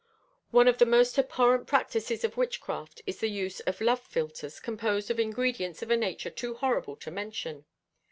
One of the most abhorrent practices of witchcraft is the use of Love Philters composed of ingredients of a nature too horrible to mention.